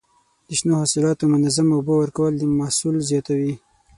د شنو حاصلاتو منظم اوبه ورکول د محصول زیاتوي.